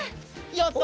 やった。